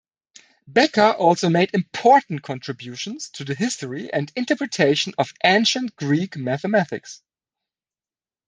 Becker also made important contributions to the history and interpretation of ancient Greek mathematics.